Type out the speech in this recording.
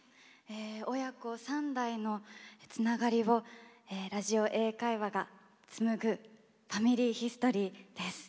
親子３代のつながりをラジオ英語講座がつむぐファミリーヒストリーです。